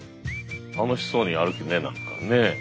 楽しそうに歩くね何かね。